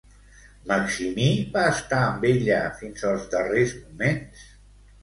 Maximí va estar amb ella fins als darrers moments?